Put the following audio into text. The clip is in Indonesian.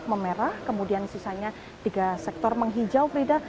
memerah kemudian sisanya tiga sektor menghijau frida